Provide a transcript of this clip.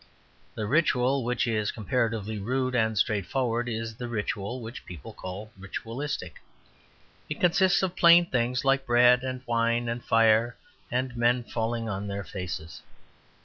The ritual which is comparatively rude and straightforward is the ritual which people call "ritualistic." It consists of plain things like bread and wine and fire, and men falling on their faces.